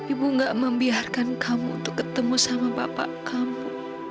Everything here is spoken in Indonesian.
ibu gak membiarkan kamu untuk ketemu sama bapak kamu